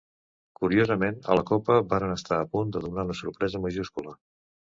Curiosament, a la Copa varen estar a punt de donar una sorpresa majúscula.